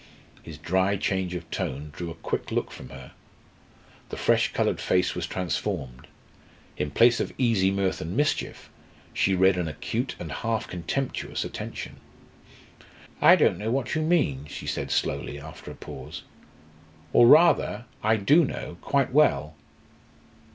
His dry change of tone drew a quick look from her. The fresh coloured face was transformed. In place of easy mirth and mischief, she read an acute and half contemptuous attention. "I don't know what you mean," she said slowly, after a pause. "Or rather I do know quite well.